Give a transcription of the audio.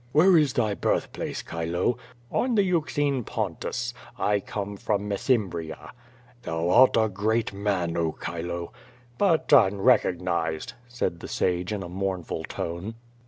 "Where is thy birthplace, Chilor "On the Euxine Pontus. I come from Mesembria." "Thou art a great man. Oh, Chilo." '*But unrecognized," said the sage in a mournful tone.